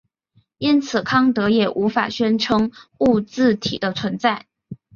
因此康德也无法宣称物自体的存在。